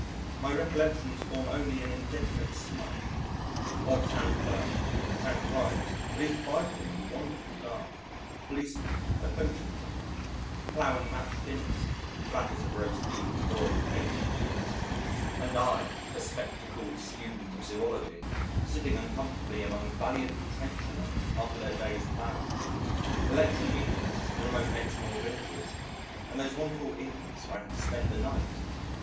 My recollections form only an indefinite smudge odd Town Clerks, Town Criers (at least five of them in wonderful garb), policemen (I poached with one), ploughing match dinners (platters of roast beef and boiled potatoes and I, bespectacled student of Zoology, sitting uncomfortably among valiant trenchermen after their day's ploughing), election meetings in remote Exmoor villages (and those wonderful Inns where I had to spend the night!)